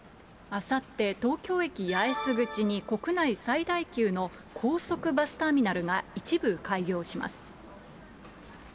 あさって、東京駅八重洲口に、国内最大級の高速バスターミナルが、一部開業します。